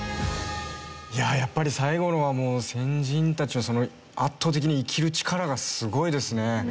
やっぱり最後のは先人たちの圧倒的に生きる力がすごいですね。